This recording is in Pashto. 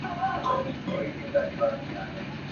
د جګړې او سولې رومان د نړۍ یو ستر اثر دی.